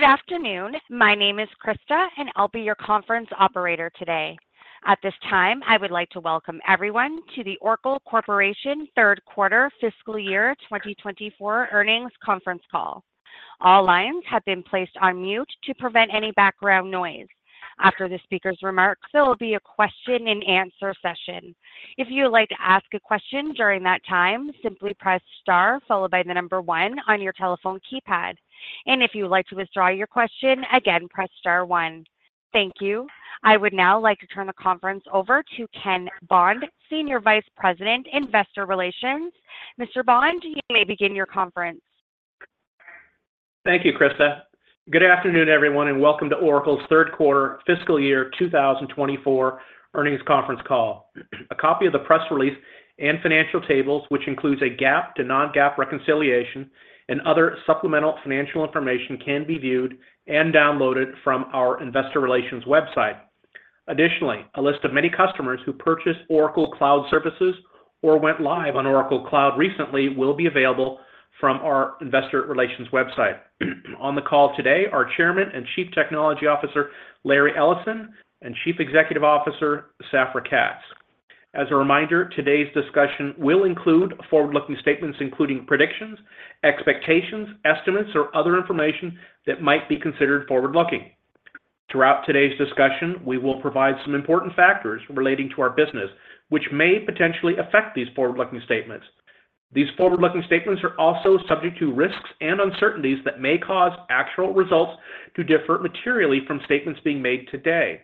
Good afternoon. My name is Krista, and I'll be your conference operator today. At this time, I would like to welcome everyone to the Oracle Corporation third quarter fiscal year 2024 earnings conference call. All lines have been placed on mute to prevent any background noise. After the speaker's remarks, there will be a question and answer session. If you would like to ask a question during that time, simply press star, followed by the number one on your telephone keypad. If you would like to withdraw your question again, press star one. Thank you. I would now like to turn the conference over to Ken Bond, Senior Vice President, Investor Relations. Mr. Bond, you may begin your conference. Thank you, Krista. Good afternoon, everyone, and welcome to Oracle's third quarter fiscal year 2024 earnings conference call. A copy of the press release and financial tables, which includes a GAAP to non-GAAP reconciliation and other supplemental financial information, can be viewed and downloaded from our investor relations website. Additionally, a list of many customers who purchased Oracle Cloud Services or went live on Oracle Cloud recently will be available from our investor relations website. On the call today, our Chairman and Chief Technology Officer, Larry Ellison, and Chief Executive Officer, Safra Catz. As a reminder, today's discussion will include forward-looking statements, including predictions, expectations, estimates, or other information that might be considered forward-looking. Throughout today's discussion, we will provide some important factors relating to our business, which may potentially affect these forward-looking statements. These forward-looking statements are also subject to risks and uncertainties that may cause actual results to differ materially from statements being made today.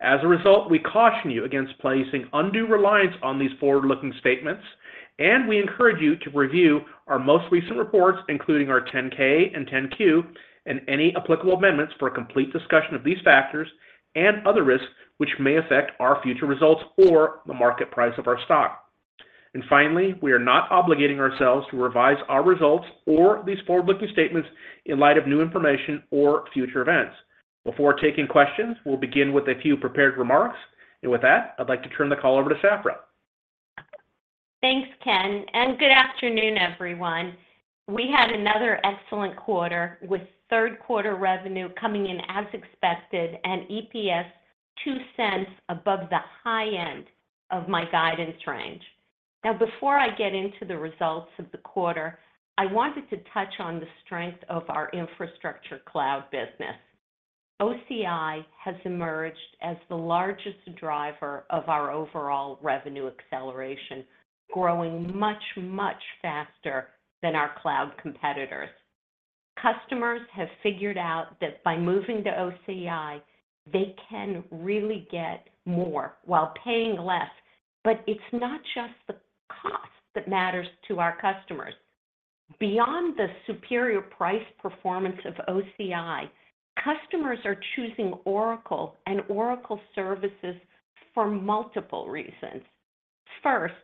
As a result, we caution you against placing undue reliance on these forward-looking statements, and we encourage you to review our most recent reports, including our 10-K and 10-Q, and any applicable amendments for a complete discussion of these factors and other risks which may affect our future results or the market price of our stock. And finally, we are not obligating ourselves to revise our results or these forward-looking statements in light of new information or future events. Before taking questions, we'll begin with a few prepared remarks. And with that, I'd like to turn the call over to Safra. Thanks, Ken, and good afternoon, everyone. We had another excellent quarter with third quarter revenue coming in as expected and EPS $0.02 above the high end of my guidance range. Now, before I get into the results of the quarter, I wanted to touch on the strength of our infrastructure cloud business. OCI has emerged as the largest driver of our overall revenue acceleration, growing much, much faster than our cloud competitors. Customers have figured out that by moving to OCI, they can really get more while paying less. But it's not just the cost that matters to our customers. Beyond the superior price performance of OCI, customers are choosing Oracle and Oracle services for multiple reasons. First,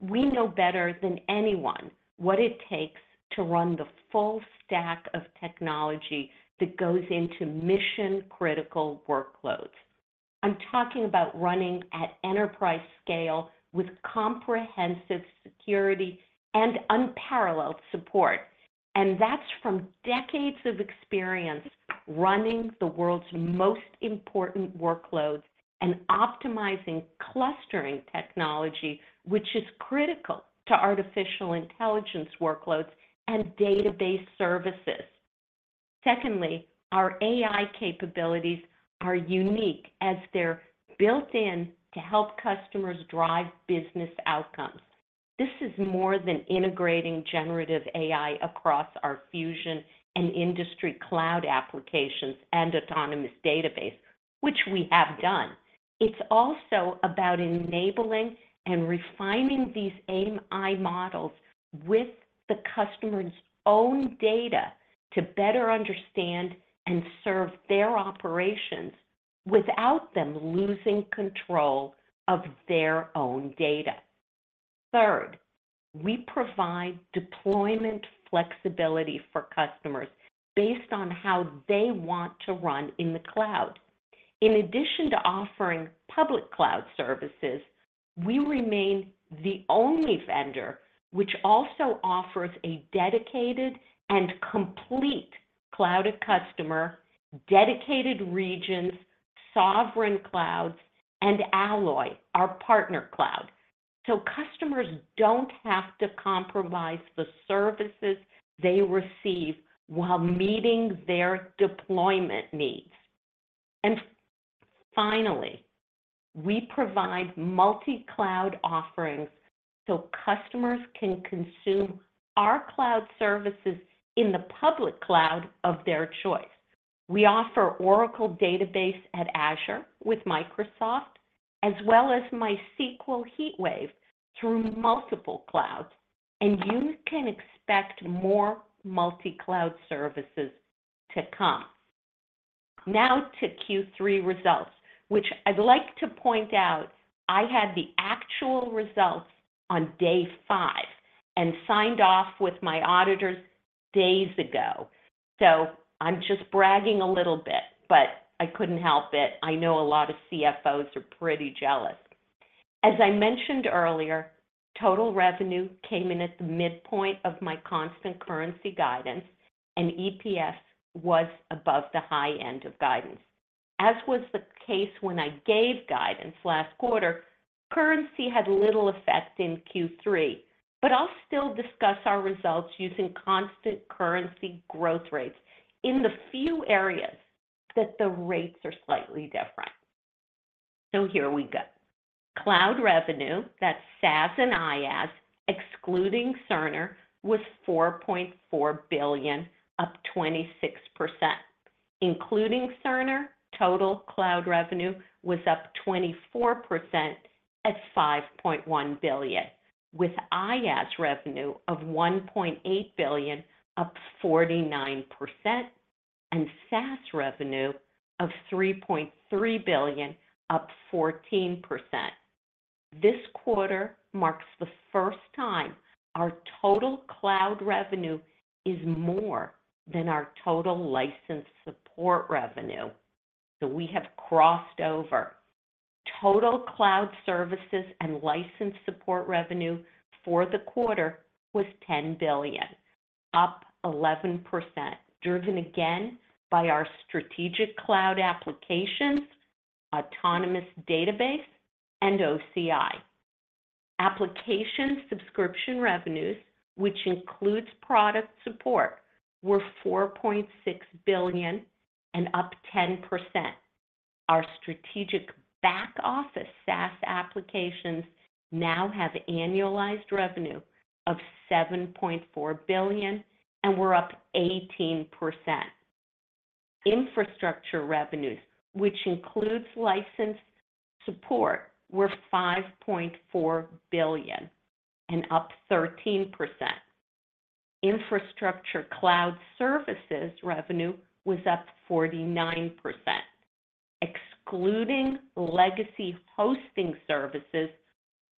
we know better than anyone what it takes to run the full stack of technology that goes into mission-critical workloads. I'm talking about running at enterprise scale with comprehensive security and unparalleled support, and that's from decades of experience running the world's most important workloads and optimizing clustering technology, which is critical to artificial intelligence workloads and database services. Secondly, our AI capabilities are unique as they're built in to help customers drive business outcomes. This is more than integrating generative AI across our Fusion and industry cloud applications and Autonomous Database, which we have done. It's also about enabling and refining these AI models with the customer's own data to better understand and serve their operations without them losing control of their own data. Third, we provide deployment flexibility for customers based on how they want to run in the cloud. In addition to offering public cloud services, we remain the only vendor which also offers a dedicated and complete Cloud@Customer, dedicated regions, sovereign clouds, and Alloy, our partner cloud. So customers don't have to compromise the services they receive while meeting their deployment needs. And finally, we provide multi-cloud offerings so customers can consume our cloud services in the public cloud of their choice. We offer Oracle Database@Azure with Microsoft, as well as MySQL HeatWave through multiple clouds, and you can expect more multi-cloud services to come. Now to Q3 results, which I'd like to point out, I had the actual results on day five and signed off with my auditors days ago. So I'm just bragging a little bit, but I couldn't help it. I know a lot of CFOs are pretty jealous. As I mentioned earlier, total revenue came in at the midpoint of my constant currency guidance, and EPS was above the high end of guidance. As was the case when I gave guidance last quarter, currency had little effect in Q3, but I'll still discuss our results using constant currency growth rates in the few areas that the rates are slightly different. So here we go. Cloud revenue, that's SaaS and IaaS, excluding Cerner, was $4.4 billion, up 26%. Including Cerner, total cloud revenue was up 24% at $5.1 billion, with IaaS revenue of $1.8 billion, up 49%, and SaaS revenue of $3.3 billion, up 14%. This quarter marks the first time our total cloud revenue is more than our total license support revenue, so we have crossed over. Total cloud services and license support revenue for the quarter was $10 billion, up 11%, driven again by our strategic cloud applications, Autonomous Database, and OCI. Application subscription revenues, which includes product support, were $4.6 billion and up 10%. Our strategic back-office SaaS applications now have annualized revenue of $7.4 billion, and we're up 18%. Infrastructure revenues, which includes license support, were $5.4 billion and up 13%. Infrastructure cloud services revenue was up 49%. Excluding legacy hosting services,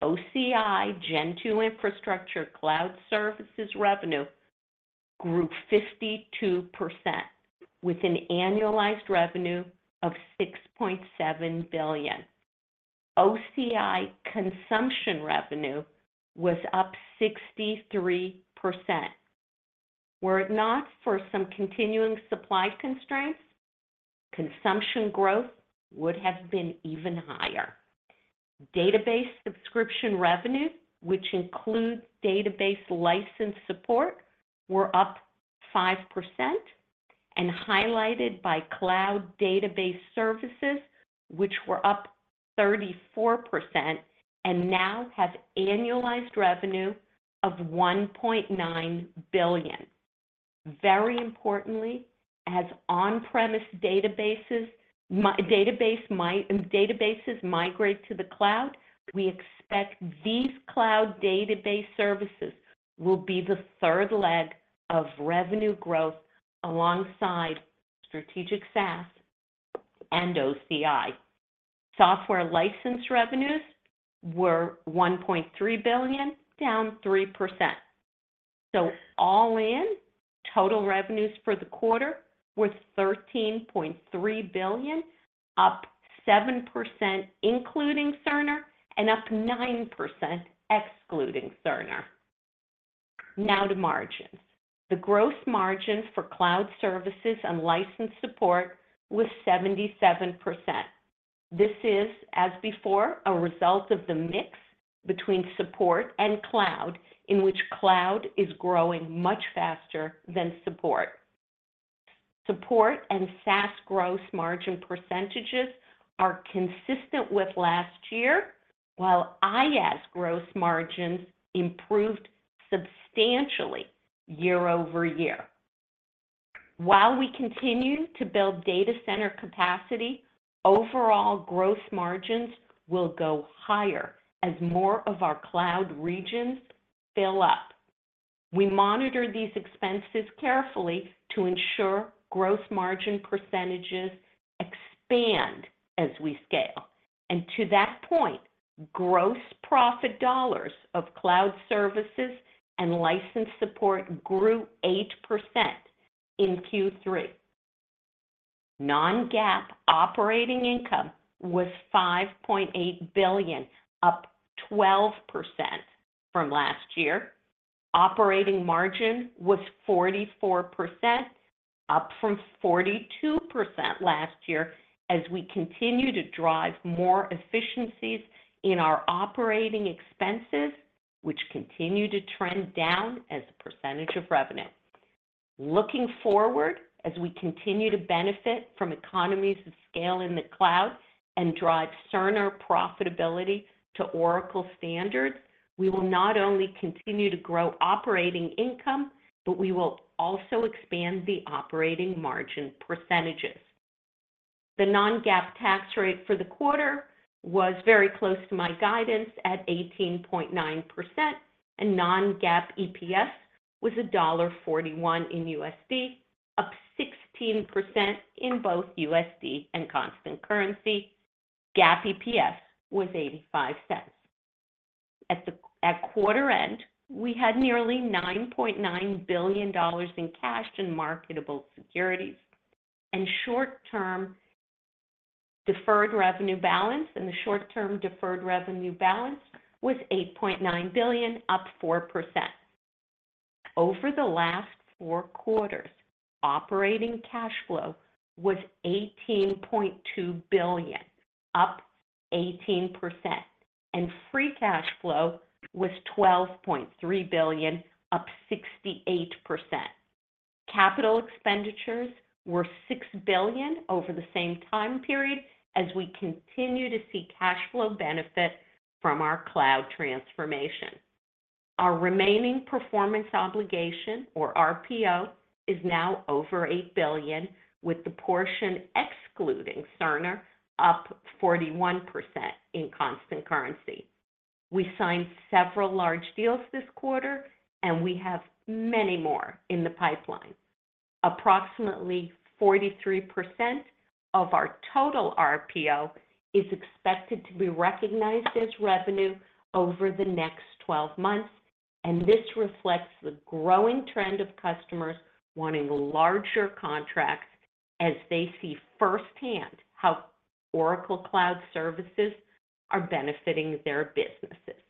OCI Gen 2 Infrastructure cloud services revenue grew 52%, with an annualized revenue of $6.7 billion. OCI consumption revenue was up 63%. Were it not for some continuing supply constraints, consumption growth would have been even higher. Database subscription revenues, which includes database license support, were up 5% and highlighted by cloud database services, which were up 34% and now have annualized revenue of $1.9 billion. Very importantly, as on-premise databases migrate to the cloud, we expect these cloud database services will be the third leg of revenue growth alongside strategic SaaS and OCI. Software license revenues were $1.3 billion, down 3%. So all in, total revenues for the quarter were $13.3 billion, up 7%, including Cerner, and up 9%, excluding Cerner. Now to margins. The gross margins for cloud services and license support was 77%. This is, as before, a result of the mix between support and cloud, in which cloud is growing much faster than support. Support and SaaS gross margin percentages are consistent with last year, while IaaS gross margins improved substantially year-over-year. While we continue to build data center capacity, overall gross margins will go higher as more of our cloud regions fill up. We monitor these expenses carefully to ensure gross margin percentages expand as we scale. And to that point, gross profit dollars of cloud services and license support grew 8% in Q3. Non-GAAP operating income was $5.8 billion, up 12% from last year. Operating margin was 44%, up from 42% last year, as we continue to drive more efficiencies in our operating expenses, which continue to trend down as a percentage of revenue. Looking forward, as we continue to benefit from economies of scale in the cloud and drive Cerner profitability to Oracle standards, we will not only continue to grow operating income, but we will also expand the operating margin percentages. The non-GAAP tax rate for the quarter was very close to my guidance at 18.9%, and non-GAAP EPS was $1.41 in USD, up 16% in both USD and constant currency. GAAP EPS was $0.85. At quarter end, we had nearly $9.9 billion in cash and marketable securities and short-term deferred revenue balance, and the short-term deferred revenue balance was $8.9 billion, up 4%. Over the last four quarters, operating cash flow was $18.2 billion, up 18%, and free cash flow was $12.3 billion, up 68%. Capital expenditures were $6 billion over the same time period as we continue to see cash flow benefit from our cloud transformation. Our remaining performance obligation, or RPO, is now over $8 billion, with the portion excluding Cerner up 41% in constant currency. We signed several large deals this quarter, and we have many more in the pipeline. Approximately 43% of our total RPO is expected to be recognized as revenue over the next 12 months, and this reflects the growing trend of customers wanting larger contracts as they see firsthand how Oracle Cloud Services are benefiting their businesses.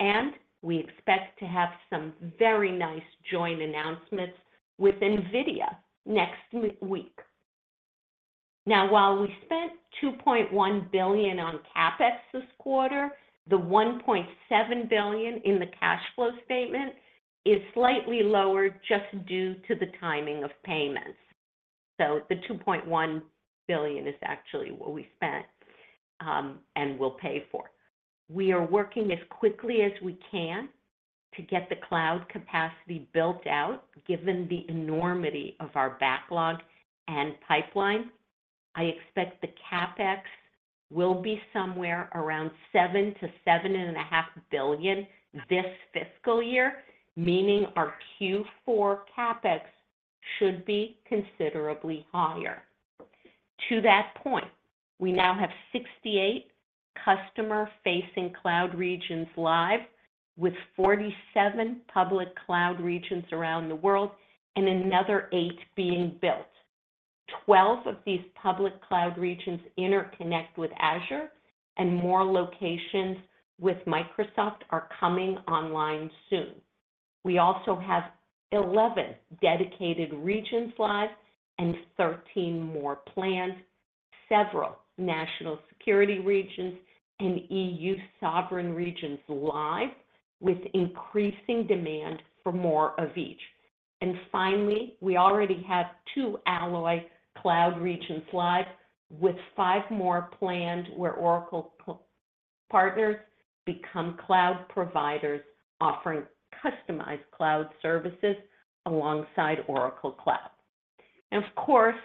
And we expect to have some very nice joint announcements with NVIDIA next week. Now, while we spent $2.1 billion on CapEx this quarter, the $1.7 billion in the cash flow statement is slightly lower just due to the timing of payments. So the $2.1 billion is actually what we spent, and will pay for. We are working as quickly as we can to get the cloud capacity built out, given the enormity of our backlog and pipeline. I expect the CapEx will be somewhere around $7 billion-$7.5 billion this fiscal year, meaning our Q4 CapEx should be considerably higher. To that point, we now have 68 customer-facing cloud regions live, with 47 public cloud regions around the world and another 8 being built. Twelve of these public cloud regions interconnect with Azure, and more locations with Microsoft are coming online soon. We also have 11 dedicated regions live and 13 more planned, several national security regions and EU sovereign regions live, with increasing demand for more of each. And finally, we already have two Alloy cloud regions live, with five more planned, where Oracle partners become cloud providers, offering customized cloud services alongside Oracle Cloud. And of course,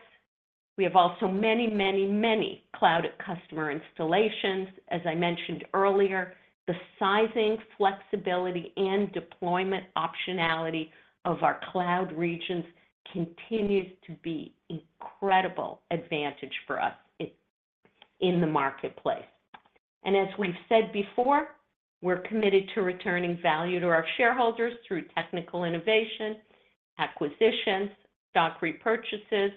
we have also many, many, many cloud customer installations. As I mentioned earlier, the sizing, flexibility, and deployment optionality of our cloud regions continues to be incredible advantage for us in the marketplace. And as we've said before, we're committed to returning value to our shareholders through technical innovation, acquisitions, stock repurchases,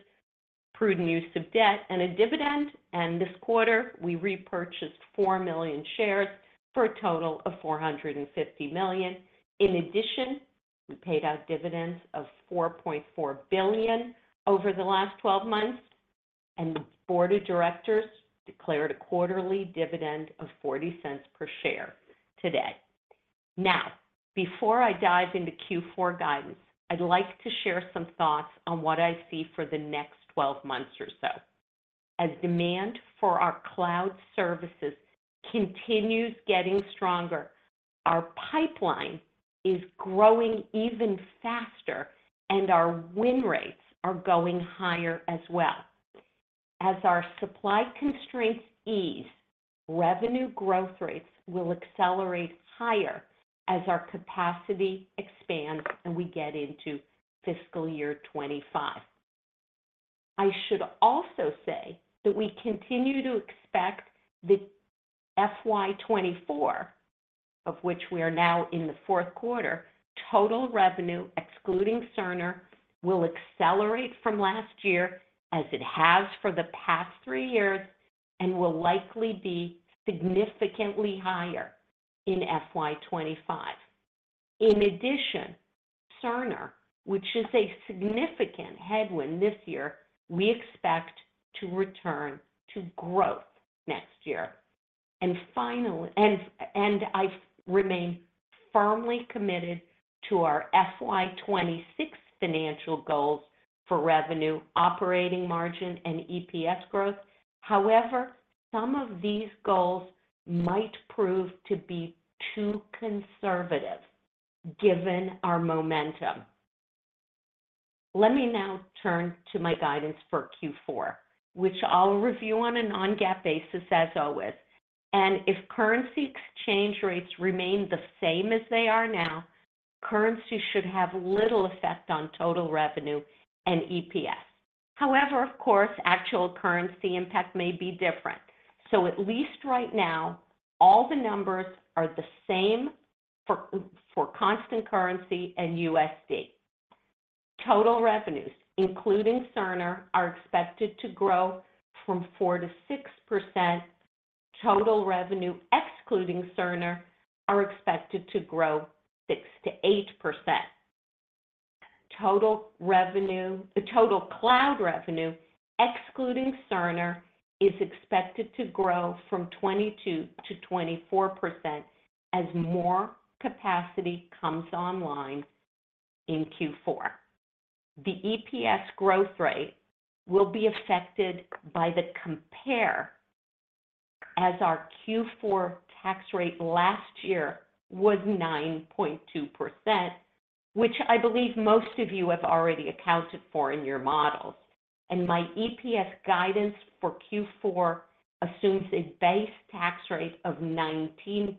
prudent use of debt, and a dividend. And this quarter, we repurchased 4 million shares for a total of $450 million. In addition, we paid out dividends of $4.4 billion over the last 12 months, and the board of directors declared a quarterly dividend of $0.40 per share today. Now, before I dive into Q4 guidance, I'd like to share some thoughts on what I see for the next 12 months or so. As demand for our cloud services continues getting stronger, our pipeline is growing even faster, and our win rates are going higher as well. As our supply constraints ease, revenue growth rates will accelerate higher as our capacity expands and we get into fiscal year 2025. I should also say that we continue to expect the FY 2024, of which we are now in the fourth quarter, total revenue, excluding Cerner, will accelerate from last year, as it has for the past three years, and will likely be significantly higher in FY 2025. In addition, Cerner, which is a significant headwind this year, we expect to return to growth next year. And finally, and, and I remain firmly committed to our FY 2026 financial goals for revenue, operating margin, and EPS growth. However, some of these goals might prove to be too conservative, given our momentum. Let me now turn to my guidance for Q4, which I'll review on a non-GAAP basis, as always. If currency exchange rates remain the same as they are now, currency should have little effect on total revenue and EPS. However, of course, actual currency impact may be different. So at least right now, all the numbers are the same for constant currency and USD. Total revenues, including Cerner, are expected to grow 4%-6%. Total revenue, excluding Cerner, are expected to grow 6%-8%. Total revenue. The total cloud revenue, excluding Cerner, is expected to grow 22%-24% as more capacity comes online in Q4. The EPS growth rate will be affected by the compare, as our Q4 tax rate last year was 9.2%, which I believe most of you have already accounted for in your models. My EPS guidance for Q4 assumes a base tax rate of 19%.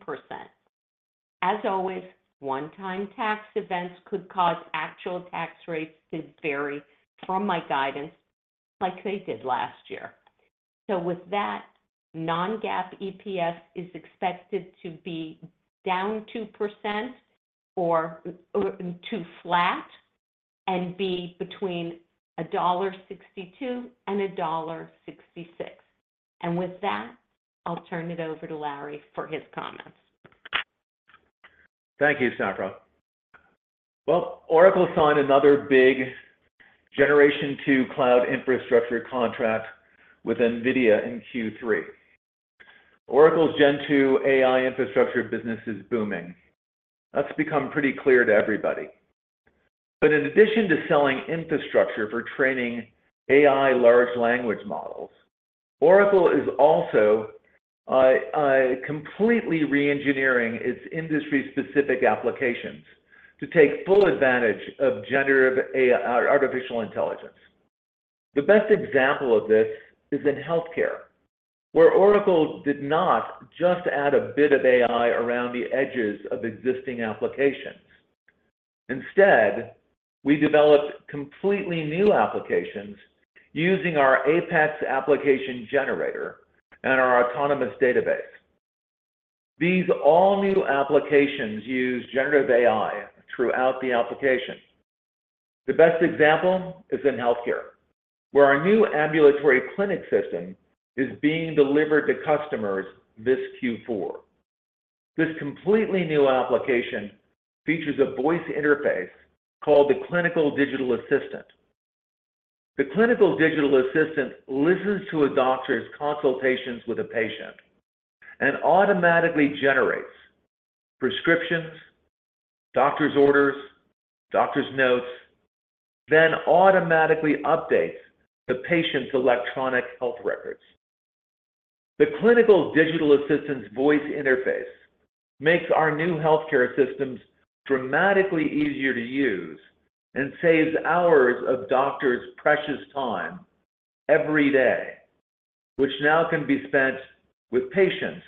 As always, one-time tax events could cause actual tax rates to vary from my guidance like they did last year. So with that, non-GAAP EPS is expected to be down 2% or to flat and be between $1.62 and $1.66. And with that, I'll turn it over to Larry for his comments. Thank you, Safra. Well, Oracle signed another big Generation 2 Cloud infrastructure contract with NVIDIA in Q3. Oracle's Gen 2 AI infrastructure business is booming. That's become pretty clear to everybody. But in addition to selling infrastructure for training AI large language models, Oracle is also completely reengineering its industry-specific applications to take full advantage of generative AI, artificial intelligence. The best example of this is in healthcare, where Oracle did not just add a bit of AI around the edges of existing applications. Instead, we developed completely new applications using our APEX application generator and our Autonomous Database. These all new applications use generative AI throughout the application. The best example is in healthcare, where our new ambulatory clinic system is being delivered to customers this Q4. This completely new application features a voice interface called the Clinical Digital Assistant. The Clinical Digital Assistant listens to a doctor's consultations with a patient and automatically generates prescriptions, doctor's orders, doctor's notes, then automatically updates the patient's electronic health records. The Clinical Digital Assistant's voice interface makes our new healthcare systems dramatically easier to use and saves hours of doctors' precious time every day, which now can be spent with patients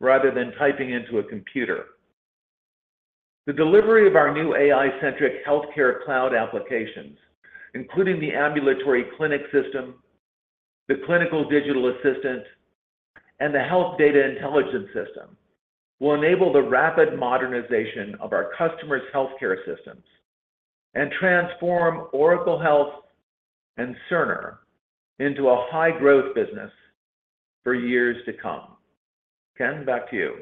rather than typing into a computer. The delivery of our new AI-centric healthcare cloud applications, including the ambulatory clinic system, the Clinical Digital Assistant, and the Health Data Intelligence system, will enable the rapid modernization of our customer's healthcare systems and transform Oracle Health and Cerner into a high-growth business for years to come. Ken, back to you.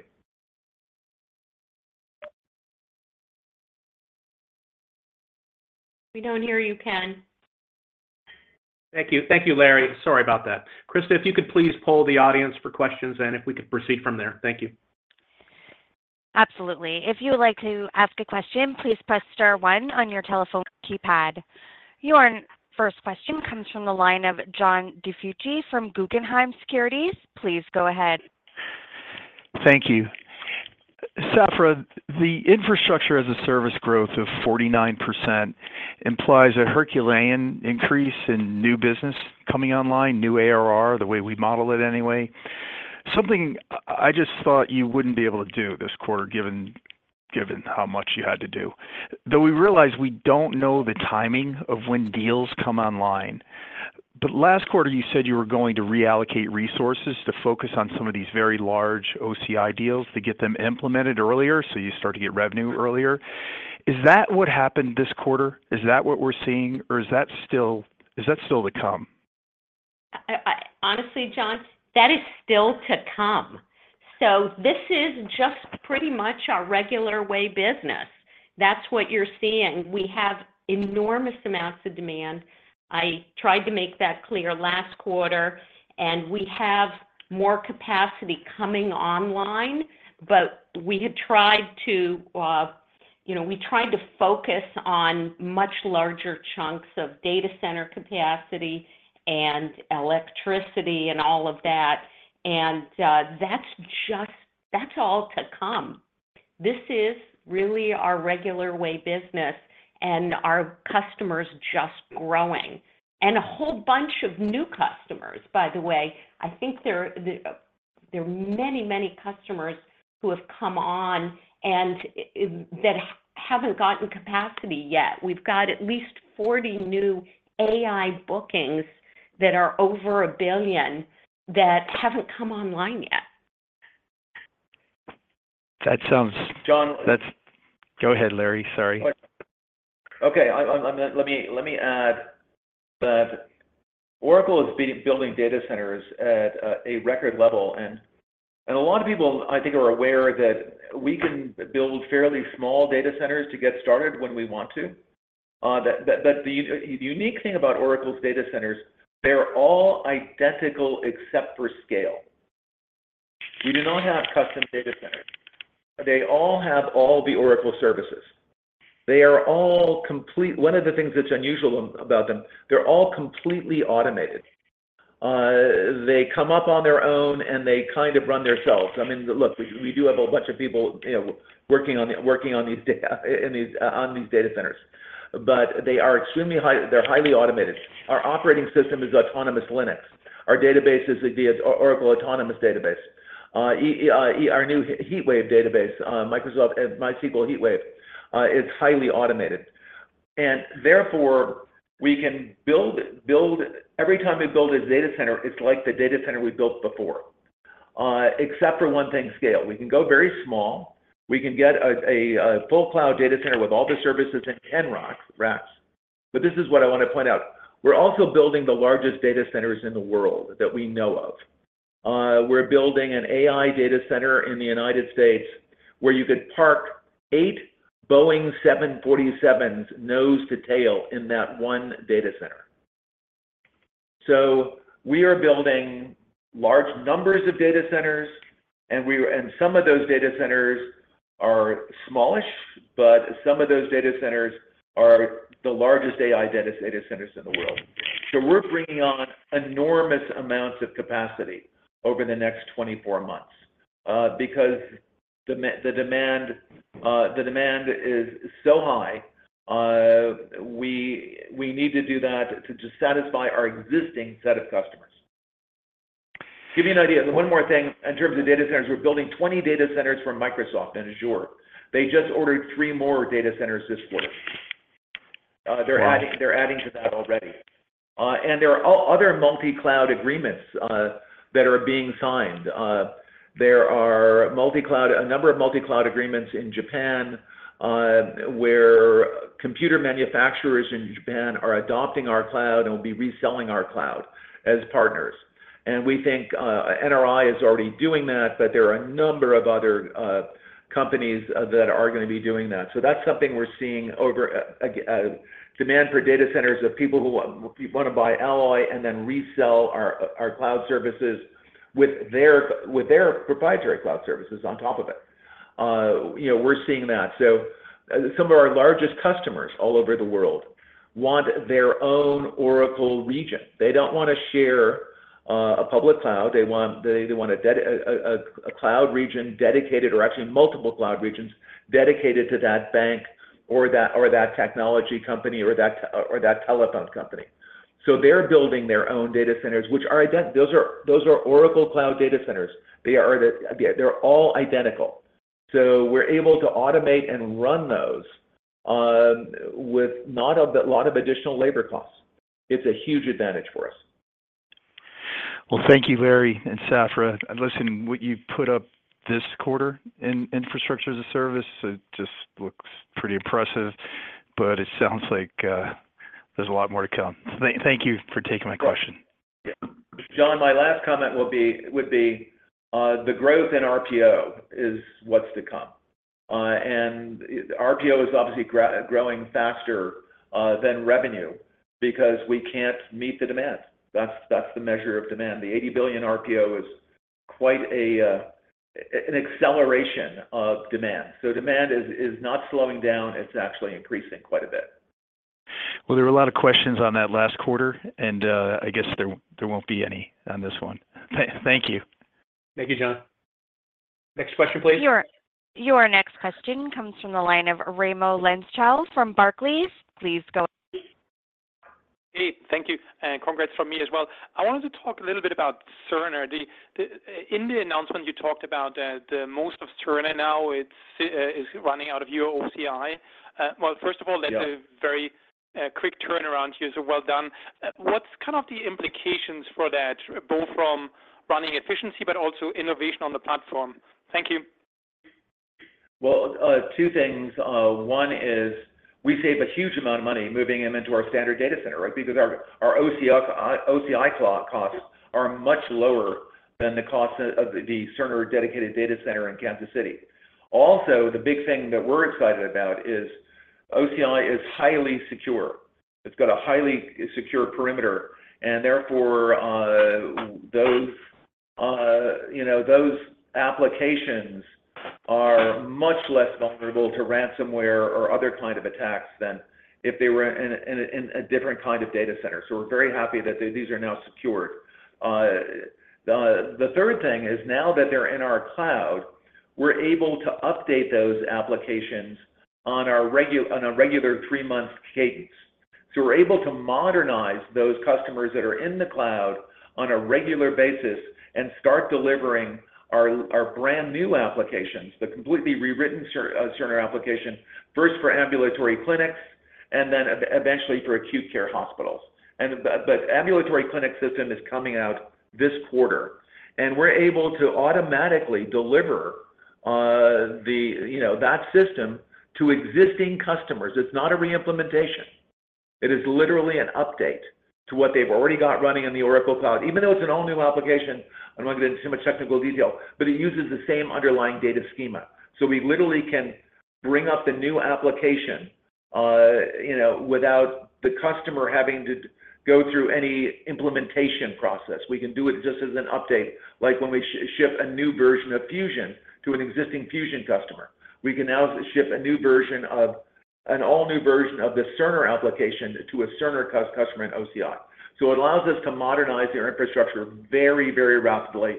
We don't hear you, Ken. Thank you. Thank you, Larry. Sorry about that. Krista, if you could please poll the audience for questions, and if we could proceed from there. Thank you. Absolutely. If you would like to ask a question, please press star one on your telephone keypad. Your first question comes from the line of John DiFucci from Guggenheim Securities. Please go ahead. Thank you. Safra, the infrastructure as a service growth of 49% implies a Herculean increase in new business coming online, new ARR, the way we model it anyway. Something I just thought you wouldn't be able to do this quarter, given, given how much you had to do. Though we realize we don't know the timing of when deals come online, but last quarter, you said you were going to reallocate resources to focus on some of these very large OCI deals to get them implemented earlier, so you start to get revenue earlier. Is that what happened this quarter? Is that what we're seeing, or is that still, is that still to come? Honestly, John, that is still to come. So this is just pretty much our regular way business. That's what you're seeing. We have enormous amounts of demand. I tried to make that clear last quarter, and we have more capacity coming online, but we had tried to, you know, we tried to focus on much larger chunks of data center capacity and electricity and all of that. And, that's just, that's all to come. This is really our regular way business and our customers just growing. And a whole bunch of new customers, by the way, I think there, There are many, many customers who have come on and, that haven't gotten capacity yet. We've got at least 40 new AI bookings that are over $1 billion that haven't come online yet. That sounds. John. That's... Go ahead, Larry. Sorry. Okay. Let me add that Oracle is building data centers at a record level, and a lot of people, I think, are aware that we can build fairly small data centers to get started when we want to. But the unique thing about Oracle's data centers, they're all identical except for scale. We do not have custom data centers. They all have all the Oracle services. They are all complete. One of the things that's unusual about them, they're all completely automated. They come up on their own, and they kind of run themselves. I mean, look, we do have a bunch of people, you know, working on these data centers, but they are extremely high. They're highly automated. Our operating system is Autonomous Linux. Our database is the Oracle Autonomous Database. Our new HeatWave database, our Microsoft and MySQL HeatWave, is highly automated. And therefore, we can build every time we build a data center, it's like the data center we built before, except for one thing, scale. We can go very small. We can get a full cloud data center with all the services in 10 racks. But this is what I want to point out. We're also building the largest data centers in the world that we know of. We're building an AI data center in the United States, where you could park 8 Boeing 747s, nose to tail, in that one data center. So we are building large numbers of data centers, and some of those data centers are smallish, but some of those data centers are the largest AI data centers in the world. So we're bringing on enormous amounts of capacity over the next 24 months, because the demand is so high, we need to do that to satisfy our existing set of customers. Give you an idea, one more thing in terms of data centers. We're building 20 data centers for Microsoft and Azure. They just ordered 3 more data centers this quarter. Wow! They're adding, they're adding to that already. And there are other multi-cloud agreements that are being signed. There are a number of multi-cloud agreements in Japan, where computer manufacturers in Japan are adopting our cloud and will be reselling our cloud as partners. And we think NRI is already doing that, but there are a number of other companies that are gonna be doing that. So that's something we're seeing over, again, demand for data centers of people who want to buy Alloy and then resell our cloud services with their proprietary cloud services on top of it. You know, we're seeing that. So some of our largest customers all over the world want their own Oracle region. They don't want to share a public cloud. They want, they want a dedi... A cloud region dedicated, or actually multiple cloud regions dedicated to that bank or that technology company or that telephone company. So they're building their own data centers. Those are Oracle Cloud data centers. They are, they're all identical. So we're able to automate and run those with not a lot of additional labor costs. It's a huge advantage for us. Well, thank you, Larry and Safra. And listen, what you've put up this quarter in infrastructure as a service, it just looks pretty impressive, but it sounds like there's a lot more to come. So thank you for taking my question. Yeah. John, my last comment will be the growth in RPO is what's to come. And RPO is obviously growing faster than revenue because we can't meet the demand. That's the measure of demand. The $80 billion RPO is quite an acceleration of demand. So demand is not slowing down, it's actually increasing quite a bit. Well, there were a lot of questions on that last quarter, and I guess there won't be any on this one. Thank you. Thank you, John. Next question, please. Your next question comes from the line of Raimo Lenschow from Barclays. Please go ahead. Hey, thank you, and congrats from me as well. I wanted to talk a little bit about Cerner. In the announcement, you talked about the most of Cerner now; it's running out of your OCI. Well, first of all- Yeah That's a very quick turnaround here, so well done. What's kind of the implications for that, both from running efficiency but also innovation on the platform? Thank you. Well, two things. One is we save a huge amount of money moving them into our standard data center, right? Because our OCI costs are much lower than the cost of the Cerner dedicated data center in Kansas City. Also, the big thing that we're excited about is OCI is highly secure. It's got a highly secure perimeter, and therefore, those, you know, those applications are much less vulnerable to ransomware or other kind of attacks than if they were in a different kind of data center. So we're very happy that these are now secured. The third thing is, now that they're in our cloud, we're able to update those applications on a regular three-month cadence. So we're able to modernize those customers that are in the cloud on a regular basis and start delivering our brand new applications, the completely rewritten Cerner application, first for ambulatory clinics, and then eventually for acute care hospitals. And the ambulatory clinic system is coming out this quarter, and we're able to automatically deliver the you know, that system to existing customers. It's not a reimplementation. It is literally an update to what they've already got running in the Oracle Cloud. Even though it's an all-new application, I don't want to get into too much technical detail, but it uses the same underlying data schema. So we literally can bring up the new application you know, without the customer having to go through any implementation process. We can do it just as an update, like when we ship a new version of Fusion to an existing Fusion customer. We can now ship a new version of—an all-new version of the Cerner application to a Cerner customer in OCI. So it allows us to modernize our infrastructure very, very rapidly,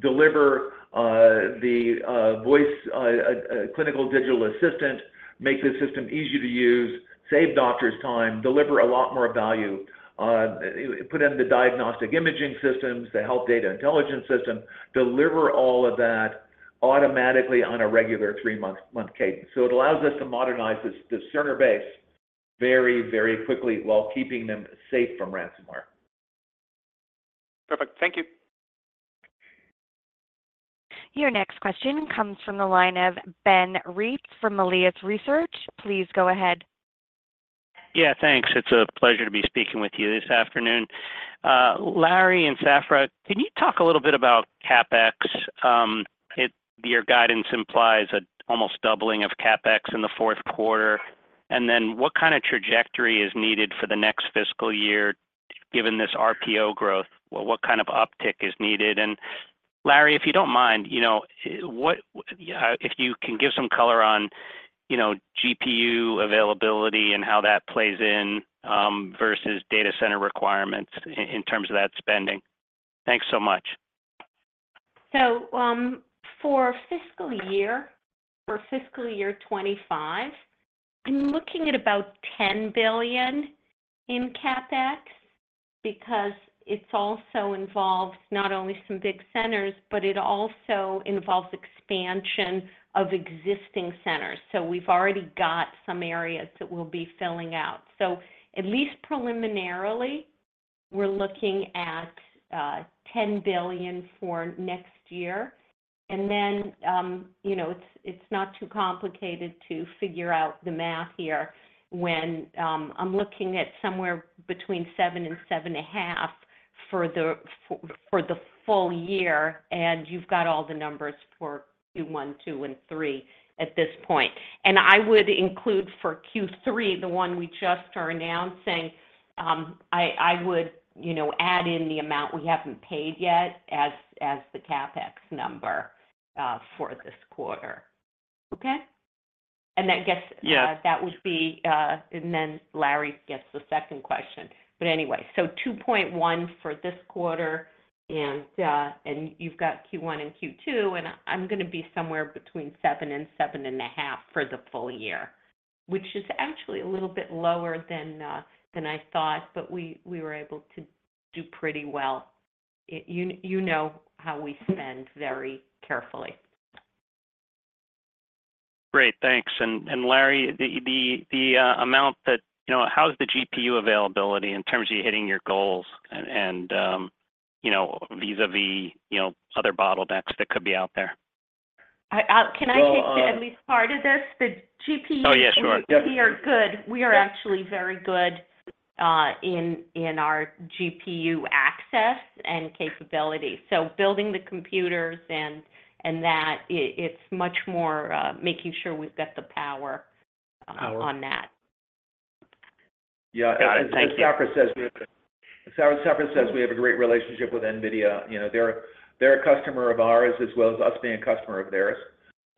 deliver the voice Clinical Digital Assistant, make the system easy to use, save doctors time, deliver a lot more value, put in the diagnostic imaging systems, the Health Data Intelligence system, deliver all of that automatically on a regular three-month cadence. So it allows us to modernize the Cerner base very, very quickly while keeping them safe from ransomware. Perfect. Thank you. Your next question comes from the line of Ben Reitzes from Melius Research. Please go ahead. Yeah, thanks. It's a pleasure to be speaking with you this afternoon. Larry and Safra, can you talk a little bit about CapEx? Your guidance implies a almost doubling of CapEx in the fourth quarter. And then, what kind of trajectory is needed for the next fiscal year, given this RPO growth? What kind of uptick is needed? And Larry, if you don't mind, you know, what, if you can give some color on, you know, GPU availability and how that plays in, versus data center requirements in terms of that spending. Thanks so much. So, for fiscal year, for fiscal year 25, I'm looking at about $10 billion in CapEx, because it also involves not only some big centers, but it also involves expansion of existing centers. So we've already got some areas that we'll be filling out. So at least preliminarily, we're looking at $10 billion for next year. And then, you know, it's not too complicated to figure out the math here when I'm looking at somewhere between $7 billion and $7.5 billion for the full year, and you've got all the numbers for Q1, Q2, and Q3 at this point. And I would include for Q3, the one we just are announcing, I would, you know, add in the amount we haven't paid yet as the CapEx number for this quarter. Okay? And that gets- Yeah. That would be. And then Larry gets the second question. But anyway, so 2.1 for this quarter, and you've got Q1 and Q2, and I'm gonna be somewhere between seven and seven an a half for the full year, which is actually a little bit lower than I thought, but we were able to do pretty well. You know how we spend very carefully. Great, thanks. Larry, the amount that—you know, how's the GPU availability in terms of you hitting your goals and, you know, vis-à-vis, you know, other bottlenecks that could be out there? Can I take- Well, uh- At least part of this? The GPU Oh, yeah, sure. We are good. We are actually very good in our GPU access and capability. So building the computers and that, it's much more making sure we've got the power on that. Yeah. Thank you. As Safra says, as Safra says, we have a great relationship with NVIDIA. You know, they're, they're a customer of ours, as well as us being a customer of theirs.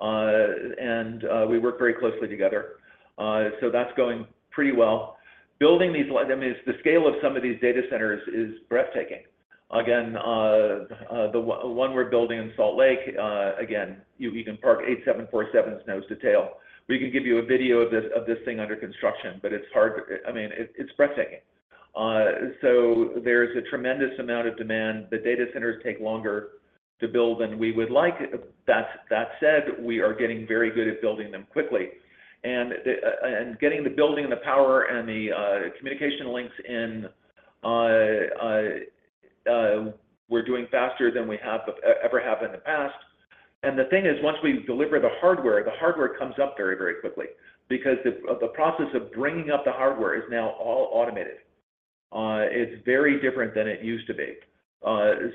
And we work very closely together. So that's going pretty well. Building these, I mean, the scale of some of these data centers is breathtaking. Again, the one we're building in Salt Lake, again, you can park 8 747s nose to tail. We can give you a video of this, of this thing under construction, but it's hard to... I mean, it's, it's breathtaking. So there's a tremendous amount of demand. The data centers take longer to build than we would like. That said, we are getting very good at building them quickly, and getting the building and the power and the communication links in, we're doing faster than we have ever have in the past. And the thing is, once we deliver the hardware, the hardware comes up very, very quickly, because the process of bringing up the hardware is now all automated. It's very different than it used to be.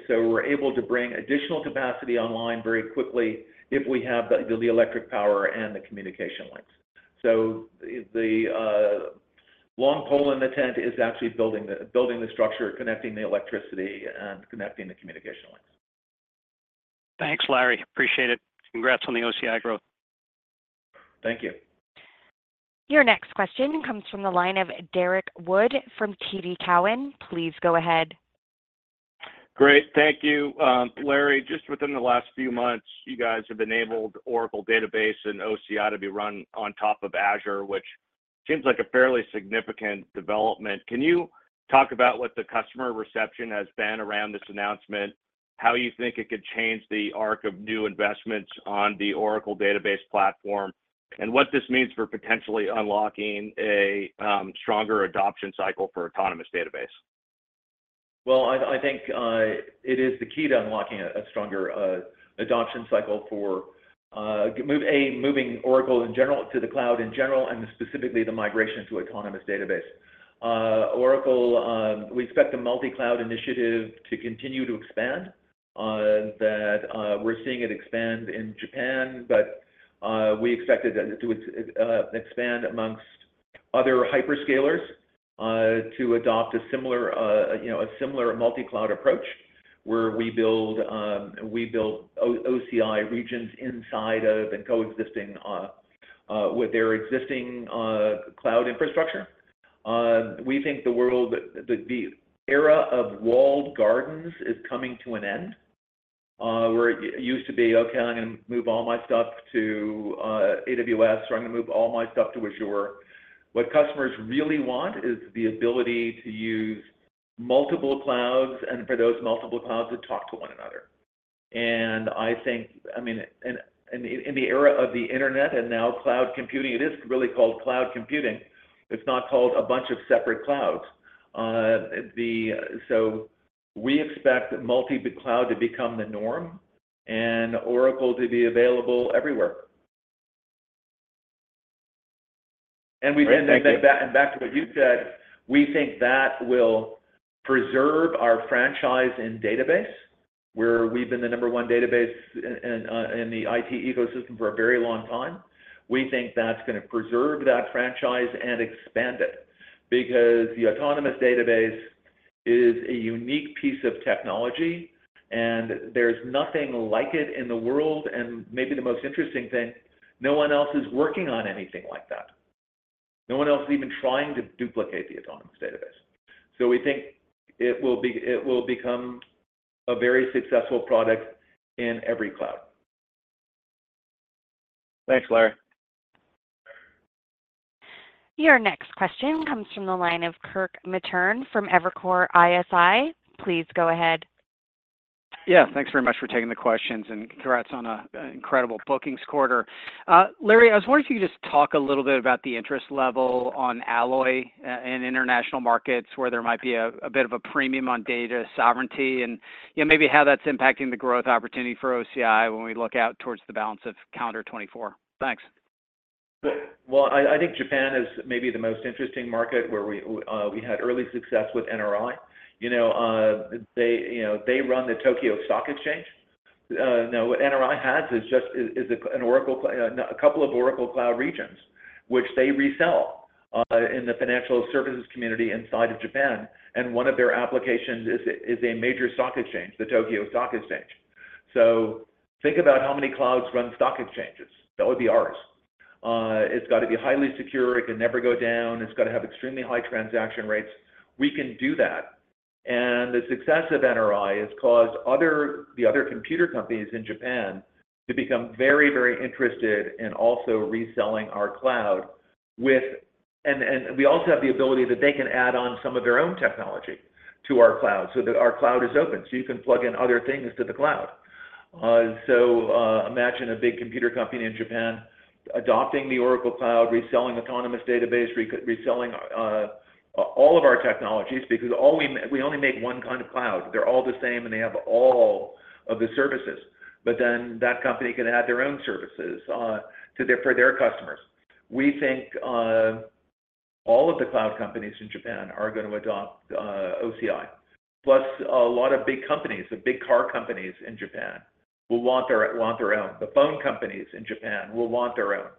So we're able to bring additional capacity online very quickly if we have the electric power and the communication links. So the long pole in the tent is actually building the structure, connecting the electricity, and connecting the communication links. Thanks, Larry. Appreciate it. Congrats on the OCI growth. Thank you. Your next question comes from the line of Derrick Wood from TD Cowen. Please go ahead. Great. Thank you, Larry. Just within the last few months, you guys have enabled Oracle Database and OCI to be run on top of Azure, which seems like a fairly significant development. Can you talk about what the customer reception has been around this announcement, how you think it could change the arc of new investments on the Oracle Database platform, and what this means for potentially unlocking a stronger adoption cycle for Autonomous Database? Well, I think it is the key to unlocking a stronger adoption cycle for moving Oracle in general to the cloud in general, and specifically, the migration to Autonomous Database. Oracle, we expect the multi-cloud initiative to continue to expand, that we're seeing it expand in Japan, but we expect it to expand amongst other hyperscalers, to adopt a similar, you know, a similar multi-cloud approach, where we build OCI regions inside of and coexisting with their existing cloud infrastructure. We think the world, the era of walled gardens is coming to an end, where it used to be, okay, I'm gonna move all my stuff to AWS, or I'm gonna move all my stuff to Azure. What customers really want is the ability to use multiple clouds, and for those multiple clouds to talk to one another. I think, I mean, in the era of the internet, and now cloud computing, it is really called cloud computing. It's not called a bunch of separate clouds. So we expect multi-cloud to become the norm, and Oracle to be available everywhere. Back to what you said, we think that will preserve our franchise and database, where we've been the number one database in in the IT ecosystem for a very long time. We think that's gonna preserve that franchise and expand it, because the Autonomous Database is a unique piece of technology, and there's nothing like it in the world. And maybe the most interesting thing, no one else is working on anything like that. No one else is even trying to duplicate the Autonomous Database. So we think it will become a very successful product in every cloud. Thanks, Larry. Your next question comes from the line of Kirk Materne from Evercore ISI. Please go ahead. Yeah, thanks very much for taking the questions, and congrats on a, an incredible bookings quarter. Larry, I was wondering if you could just talk a little bit about the interest level on Alloy in international markets, where there might be a, a bit of a premium on data sovereignty, and, you know, maybe how that's impacting the growth opportunity for OCI when we look out towards the balance of calendar 2024. Thanks. Well, I think Japan is maybe the most interesting market, where we had early success with NRI. You know, they run the Tokyo Stock Exchange. Now, what NRI has is just a couple of Oracle Cloud regions, which they resell in the financial services community inside of Japan, and one of their applications is a major stock exchange, the Tokyo Stock Exchange. So think about how many clouds run stock exchanges. That would be ours. It's got to be highly secure. It can never go down. It's got to have extremely high transaction rates. We can do that, and the success of NRI has caused the other computer companies in Japan to become very, very interested in also reselling our cloud. And we also have the ability that they can add on some of their own technology to our cloud, so that our cloud is open. So you can plug in other things to the cloud. So imagine a big computer company in Japan adopting the Oracle cloud, reselling Autonomous Database, reselling all of our technologies, because all we only make one kind of cloud. They're all the same, and they have all of the services, but then that company can add their own services for their customers. We think all of the cloud companies in Japan are going to adopt OCI. Plus, a lot of big companies, the big car companies in Japan will want their, want their own. The phone companies in Japan will want their own.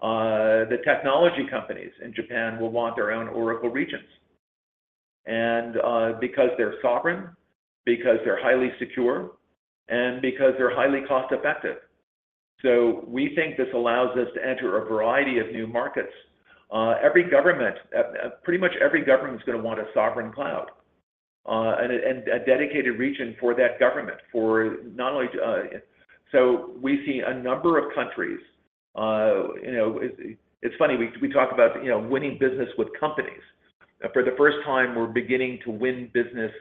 The technology companies in Japan will want their own Oracle regions, and because they're sovereign, because they're highly secure, and because they're highly cost-effective. So we think this allows us to enter a variety of new markets. Every government, pretty much every government is gonna want a sovereign cloud, and a dedicated region for that government, for not only to. So we see a number of countries, you know, it, it's funny, we, we talk about, you know, winning business with companies. For the first time, we're beginning to win business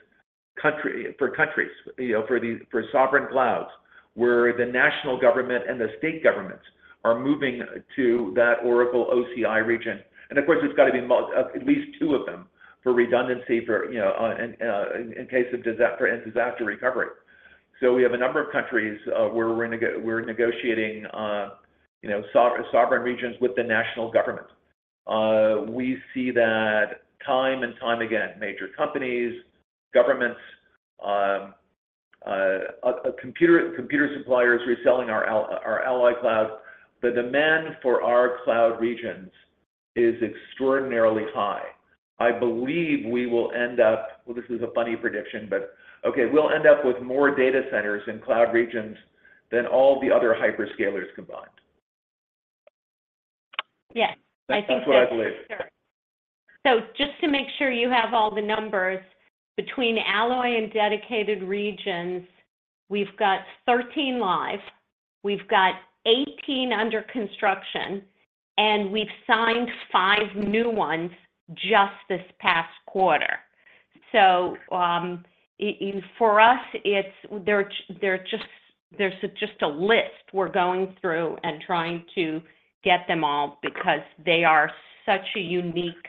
for countries, you know, for sovereign clouds, where the national government and the state governments are moving to that Oracle OCI region. And of course, it's got to be at least two of them, for redundancy, for, you know, in case of disaster and disaster recovery. So we have a number of countries where we're negotiating, you know, sovereign, sovereign regions with the national government. We see that time and time again, major companies, governments, computer suppliers reselling our Alloy cloud. The demand for our cloud regions is extraordinarily high. I believe we will end up, well, this is a funny prediction, but okay, we'll end up with more data centers in cloud regions than all the other hyperscalers combined. Yes, I think that's- That's what I believe. Sure. So just to make sure you have all the numbers, between Alloy and dedicated regions, we've got 13 live, we've got 18 under construction, and we've signed five new ones just this past quarter. So, in for us, it's, they're just, there's just a list we're going through and trying to get them all, because they are such a unique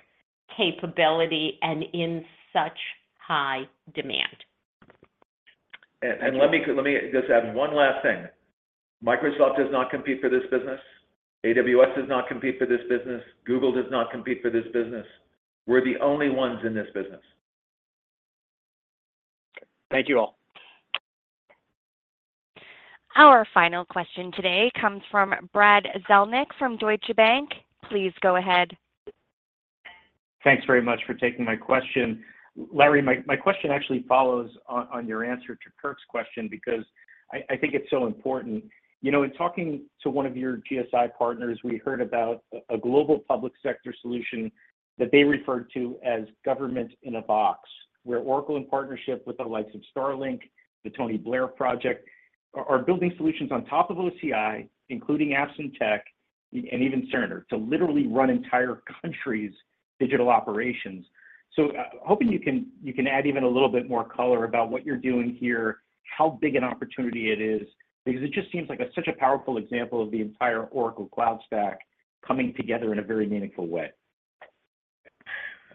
capability and in such high demand. And let me just add one last thing. Microsoft does not compete for this business. AWS does not compete for this business. Google does not compete for this business. We're the only ones in this business. Thank you all. Our final question today comes from Brad Zelnick from Deutsche Bank. Please go ahead. Thanks very much for taking my question. Larry, my question actually follows on your answer to Kirk's question, because I think it's so important. You know, in talking to one of your GSI partners, we heard about a global public sector solution that they referred to as Government in a Box, where Oracle, in partnership with the likes of Starlink, the Tony Blair Project, are building solutions on top of OCI, including Apps and Tech, and even Cerner, to literally run entire countries' digital operations. So, hoping you can add even a little bit more color about what you're doing here, how big an opportunity it is, because it just seems like such a powerful example of the entire Oracle Cloud stack coming together in a very meaningful way.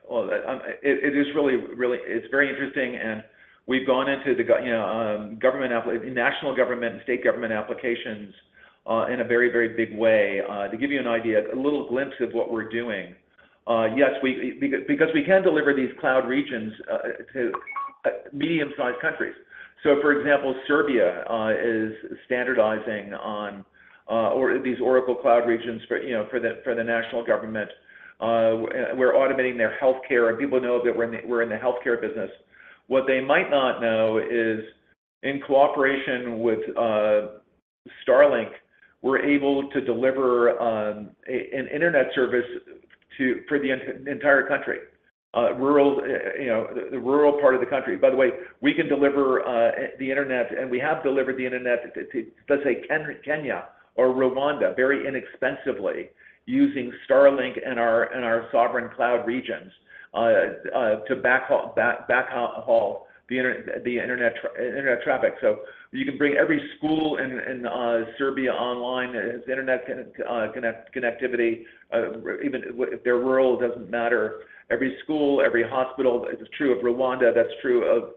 Well, it is really, really—it's very interesting, and we've gone into the government, you know, national government and state government applications in a very, very big way. To give you an idea, a little glimpse of what we're doing, yes, because we can deliver these cloud regions to medium-sized countries. So, for example, Serbia is standardizing on Oracle Cloud regions for, you know, for the national government. We're automating their healthcare, and people know that we're in the healthcare business. What they might not know is, in cooperation with Starlink, we're able to deliver an internet service to the entire country, rural, you know, the rural part of the country. By the way, we can deliver the internet, and we have delivered the internet to, let's say, Kenya or Rwanda, very inexpensively, using Starlink and our sovereign cloud regions, to backhaul the internet traffic. So you can bring every school in Serbia online, has internet connectivity, even if they're rural, doesn't matter. Every school, every hospital. That's true of Rwanda, that's true of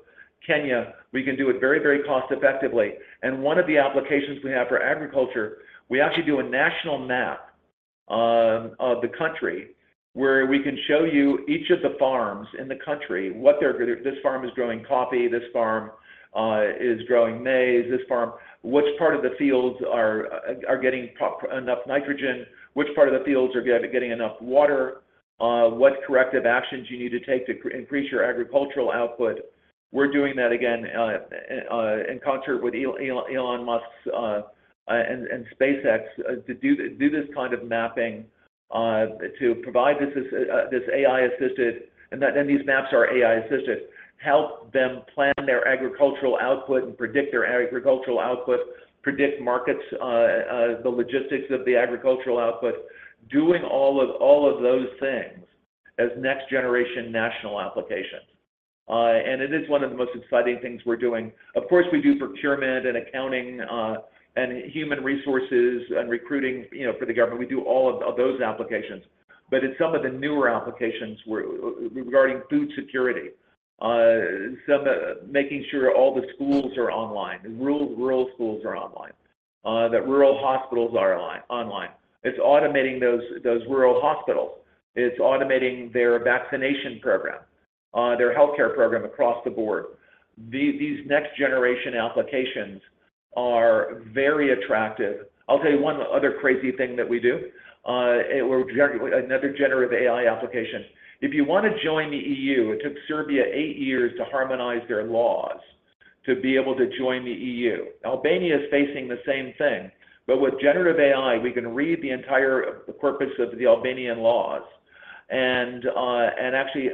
Kenya. We can do it very, very cost effectively. And one of the applications we have for agriculture, we actually do a national map of the country, where we can show you each of the farms in the country, what they're... This farm is growing coffee, this farm is growing maize, this farm... Which part of the fields are getting enough nitrogen, which part of the fields are getting enough water, what corrective actions you need to take to increase your agricultural output. We're doing that again in concert with Elon Musk's and SpaceX to do this kind of mapping to provide this AI-assisted, and these maps are AI-assisted. Help them plan their agricultural output and predict their agricultural output, predict markets, the logistics of the agricultural output, doing all of those things as next-generation national applications. And it is one of the most exciting things we're doing. Of course, we do procurement and accounting and human resources and recruiting, you know, for the government. We do all of those applications. But in some of the newer applications, we're regarding food security, making sure all the schools are online, rural schools are online, that rural hospitals are online. It's automating those rural hospitals. It's automating their vaccination program, their healthcare program across the board. These next-generation applications are very attractive. I'll tell you one other crazy thing that we do. Well, another generative AI application. If you want to join the EU, it took Serbia eight years to harmonize their laws to be able to join the EU. Albania is facing the same thing, but with generative AI, we can read the entire corpus of the Albanian laws and actually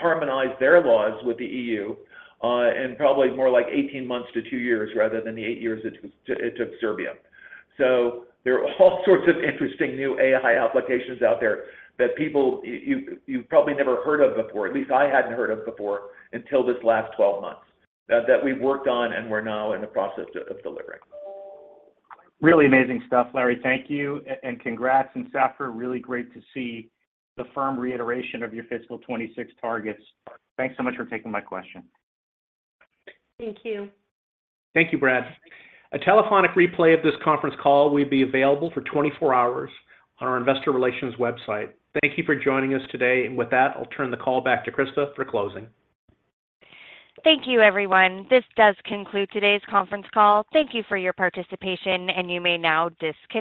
harmonize their laws with the EU, in probably more like 18 months to two years, rather than the eight years it took Serbia. So there are all sorts of interesting new AI applications out there that people, you've probably never heard of before, at least I hadn't heard of before, until this last 12 months, that we've worked on and we're now in the process of delivering. Really amazing stuff, Larry. Thank you and congrats. And Safra, really great to see the firm reiteration of your fiscal 26 targets. Thanks so much for taking my question. Thank you. Thank you, Brad. A telephonic replay of this conference call will be available for 24 hours on our investor relations website. Thank you for joining us today. With that, I'll turn the call back to Krista for closing. Thank you, everyone. This does conclude today's conference call. Thank you for your participation, and you may now disconnect.